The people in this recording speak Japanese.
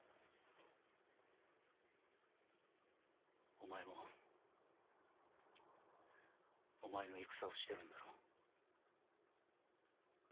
お前もお前の戦をしてるんだろう？